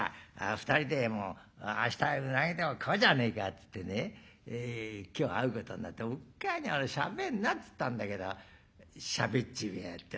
２人で明日うなぎでも食おうじゃねえかっつってね今日会うことになっておっかあにしゃべんなっつったんだけどしゃべっちめえやがって。